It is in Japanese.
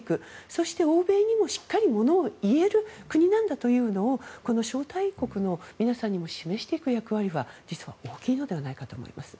そして欧米にもしっかりものを言える国なんだということをこの招待国の皆さんにも示していく役割は実は大きいのではないかと思います。